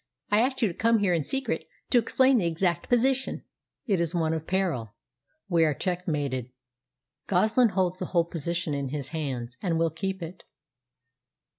I asked you to come here in secret to explain the exact position." "It is one of peril. We are checkmated. Goslin holds the whole position in his hands, and will keep it."